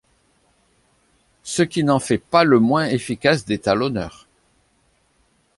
Ce qui n’en fait pas le moins efficace des talonneurs.